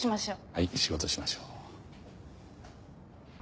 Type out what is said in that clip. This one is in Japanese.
はい仕事しましょう。